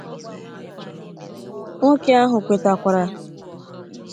Nwoke ahụ kwètakwara